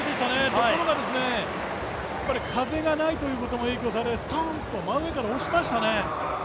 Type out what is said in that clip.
ところが、風がないということも影響して、すとんと真上から落ちましたね。